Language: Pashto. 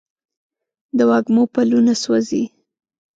د وږمو پلونه سوزي